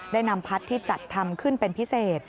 ได้นำพัดที่จัดทำขึ้นเป็นพิเศษ